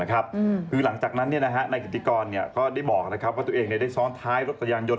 ก็คือหลังจากนั้นในกิจกรก็ได้บอกว่าตัวเองได้ซ้อนงานท้ายรถตรายังยนต์